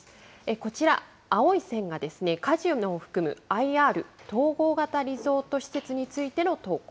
こちら、青い線がですね、カジノを含むＩＲ・統合型リゾート施設についての投稿。